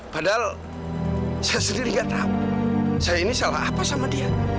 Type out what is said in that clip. padahal saya sendiri gak tahu saya ini salah apa sama dia